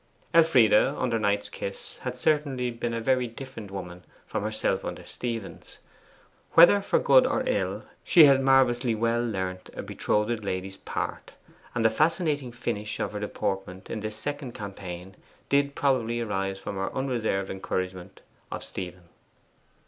Elfride, under Knight's kiss, had certainly been a very different woman from herself under Stephen's. Whether for good or for ill, she had marvellously well learnt a betrothed lady's part; and the fascinating finish of her deportment in this second campaign did probably arise from her unreserved encouragement of Stephen.